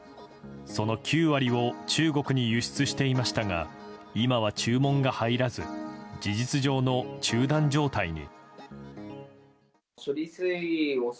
その９割を中国に輸出していましたが今は注文が入らず事実上の中断状態に。